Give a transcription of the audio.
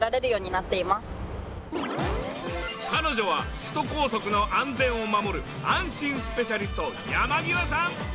彼女は首都高速の安全を守る安心スペシャリスト山際さん。